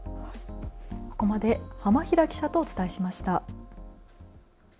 ここまで浜平記者とお伝えしました。